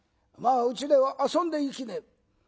まあうちでは遊んでいきねえ」。